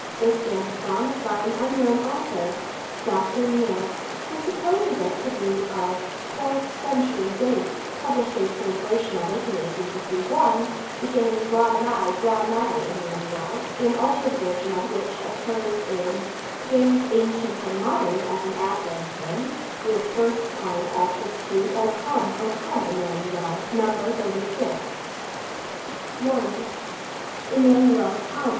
This antiphon is by an unknown author. Dr. Neale, who supposes it to be of twelfth century date, published a translation of it in 1851, beginning, "Draw nigh, draw nigh, Emmanuel," an altered version of which occurs in "Hymns Ancient and Modern" as an Advent hymn, with first line altered to, "O come, O come, Emmanuel" (No. 36). I Emmanuel, come!